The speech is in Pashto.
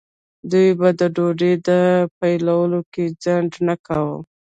دوی به د ډوډۍ په پیلولو کې ځنډ نه کاوه.